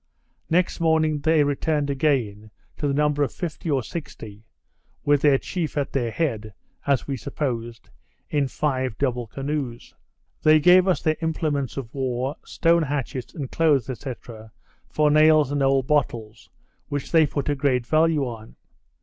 Next morning, they returned again, to the number of fifty or sixty, with their chief at their head (as we supposed), in five double canoes. They gave us their implements of war, stone hatchets, and clothes, &c. for nails and old bottles, which they put a great value on.